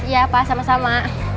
ya pak sama sama